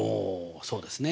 そうですね。